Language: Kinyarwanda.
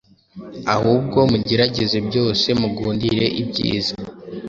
ahubwo mugerageze byose, mugundire ibyiza.”